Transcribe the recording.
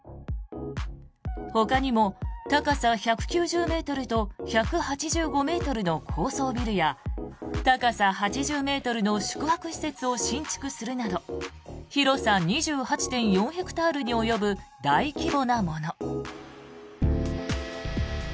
ほかにも高さ１９０ｍと１８５ｍの高層ビルや高さ８０ｍの宿泊施設を新築するなど広さ２８．４ヘクタールに及ぶ大規模なもの。